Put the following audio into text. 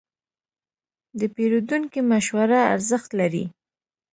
د پیرودونکي مشوره ارزښت لري.